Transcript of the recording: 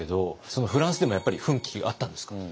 そのフランスでもやっぱり奮起あったんですか？